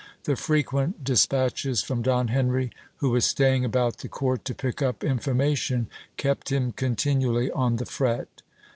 The frequent dis patches from Don Henry, who was staying about the court to pick up informa tion, kept him continually on the fret.